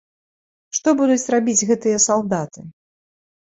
Што будуць рабіць гэтыя салдаты?